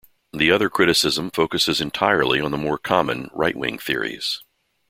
The other criticism focuses entirely on the more common, right wing theories.